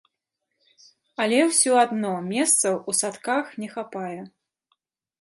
Але ўсё адно месцаў у садках не хапае.